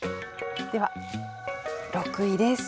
では６位です。